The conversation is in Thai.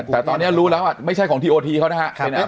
แต่ตอนนี้รู้แล้วไม่ใช่ของทีโอทีเขานะฮะ